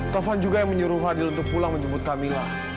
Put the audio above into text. taufan juga yang menyuruh fadil untuk pulang menjemput kamila